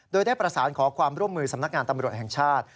โดยได้ประสานขอความร่วมมือสำนักงานตำรวจแห่งชาติ